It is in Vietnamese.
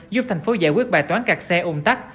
giúp thành phố giải quyết bài toán cạc xe ồn tắc